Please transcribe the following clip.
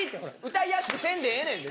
歌いやすくせんでええねん。